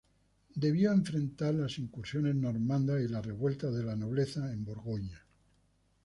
Debió enfrentar las incursiones normandas y las revueltas de la nobleza en Borgoña.